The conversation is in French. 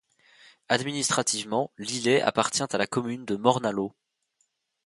Administrativement, l'îlet appartient à la commune de Morne-à-l'eau.